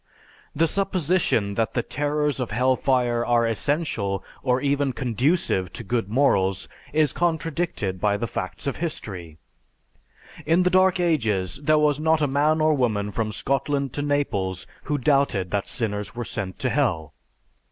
The supposition that the terrors of hell fire are essential or even conducive to good morals is contradicted by the facts of history. In the Dark Ages there was not a man or woman from Scotland to Naples, who doubted that sinners were sent to hell.